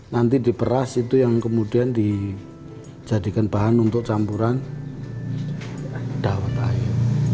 nanti diberas itu yang kemudian dijadikan bahan untuk campuran dawat ayu